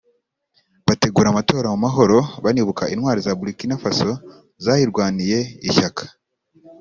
bategura amatora mu mahoro banibuka intwari za Burkina Faso zayirwaniye ishyaka